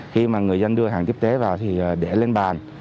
khi mà người dân đưa hàng tiếp tế vào thì để lên bàn